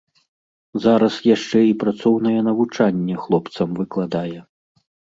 Зараз яшчэ і працоўнае навучанне хлопцам выкладае.